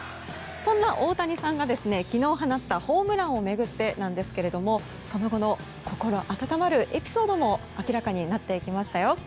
そんな大谷さんが昨日放ったホームランを巡ってその後の心温まるエピソードも明らかになっていきました。